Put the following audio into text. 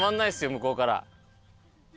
向こうから。